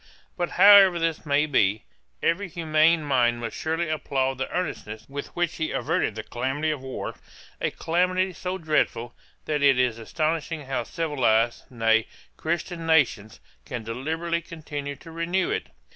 But however this may be, every humane mind must surely applaud the earnestness with which he averted the calamity of war; a calamity so dreadful, that it is astonishing how civilised, nay, Christian nations, can deliberately continue to renew it.